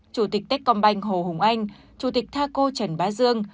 chủ tịch tết công banh hồ hùng anh chủ tịch tha cô trần bá dương